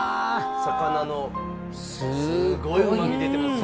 魚のすごいうまみ出てますね。